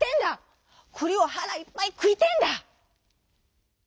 くりをはらいっぱいくいてえんだ」。